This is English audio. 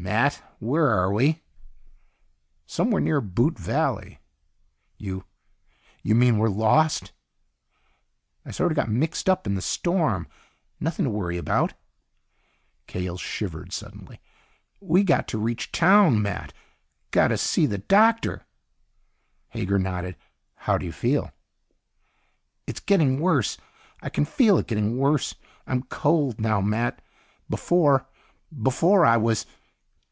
"Matt, where are we?" "Somewhere near Boot Valley." "You ... you mean we're lost?" "I sort of got mixed up in the storm. Nothing to worry about." Cahill shivered suddenly. "We got to reach town, Matt. Got to see the doctor." Hager nodded. "How do you feel?" "It's getting worse. I can feel it getting worse. I'm cold now, Matt. Before ... before I was...."